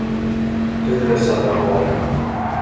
Төрлө сағы була